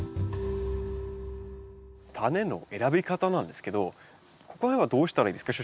タネの選び方なんですけどこれはどうしたらいいですか？